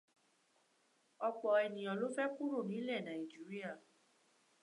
Ọ̀pọ̀ ènìyàn ló fẹ́ kúrò nílè Nàíjíríà.